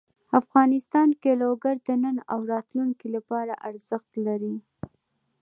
افغانستان کې لوگر د نن او راتلونکي لپاره ارزښت لري.